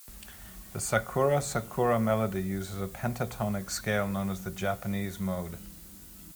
The "Sakura Sakura" melody uses a pentatonic scale known as the Japanese mode.